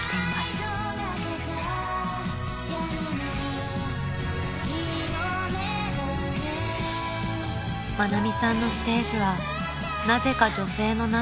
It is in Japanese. ［愛美さんのステージはなぜか女性の涙を誘います］